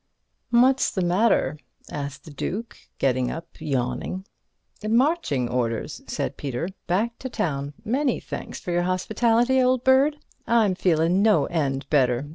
"What's the matter?" asked the Duke, getting up and yawning. "Marching orders," said Peter, "back to town. Many thanks for your hospitality, old bird—I'm feelin' no end better.